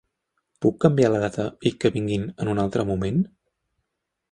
Puc canviar la data i que vinguin en un altre moment?